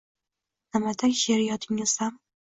Na`matak she`ri yodingizdami